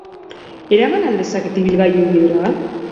Eraman al dezaket ibilgailu hibridoa?